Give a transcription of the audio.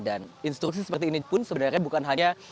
instruksi seperti ini pun sebenarnya bukan hanya